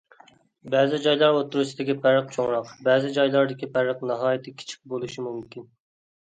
بەزى جايلار ئوتتۇرىسىدىكى پەرق چوڭراق، بەزى جايلاردىكى پەرق ناھايىتى كىچىك بولۇشى مۇمكىن.